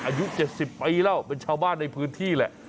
อายุ๗๐ปีแล้วเป็นชาวบ้านในพื้นที่แหละ